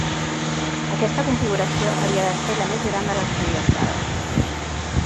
Aquesta configuració havia de ser la més gran de les projectades.